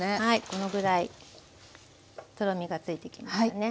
このぐらいとろみがついてきましたね。